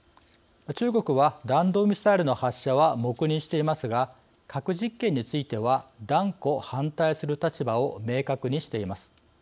中国は、弾道ミサイルの発射は黙認していますが核実験については断固反対する立場を明確にしています。